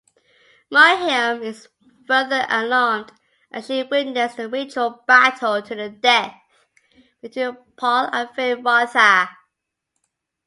Mohiam is further alarmed as she witnesses the ritual battle-to-the-death between Paul and Feyd-Rautha.